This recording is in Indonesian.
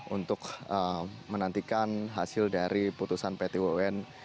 untuk menantikan hasil dari putusan pt un